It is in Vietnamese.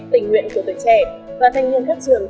tình nguyện của tuổi trẻ và thanh niên các trường